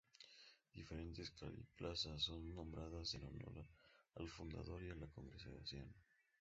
Diferentes "calles y plazas" son nombradas en honor al Fundador y a la Congregación.